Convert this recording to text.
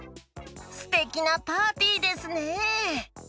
すてきなパーティーですね！